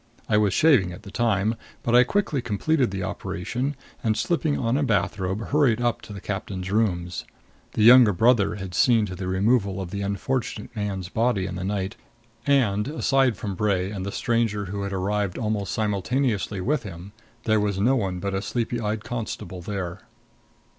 I was shaving at the time, but I quickly completed the operation and, slipping on a bathrobe, hurried up to the captain's rooms. The younger brother had seen to the removal of the unfortunate man's body in the night, and, aside from Bray and the stranger who had arrived almost simultaneously with him, there was no one but a sleepy eyed constable there.